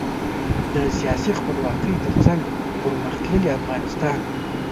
د سیاسي خپلواکۍ ترڅنګ پرمختللي افغانستان.